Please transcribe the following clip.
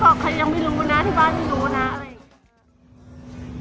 ใครยังไม่รู้นะที่บ้านไม่รู้นะอะไรอย่างนี้